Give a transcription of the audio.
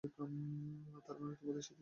তারমানে তোমার সাথেই তার শেষ দেখা হয়েছিল।